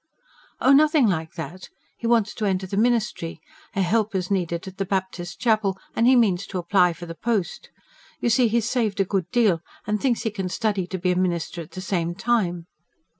"Oh, nothing like that. He wants to enter the ministry. A helper's needed at the Baptist Chapel, and he means to apply for the post. You see, he's saved a good deal, and thinks he can study to be a minister at the same time."